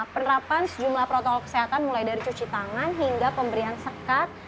penerapan sejumlah protokol kesehatan mulai dari cuci tangan hingga pemberian sekat